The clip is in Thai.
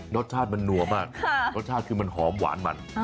รสชาติมันนัวมากรสชาติคือมันหอมหวานมัน